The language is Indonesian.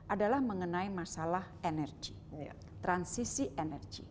adalah mengenai masalah energi transisi energi